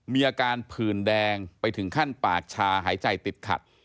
มีอาการผื่นแดงไปถึงขั้นปากชาหายใจติดขัด